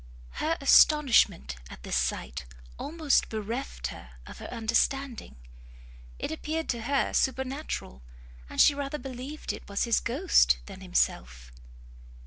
Her astonishment at this sight almost bereft her of her understanding; it appeared to her supernatural, and she rather believed it was his ghost than himself.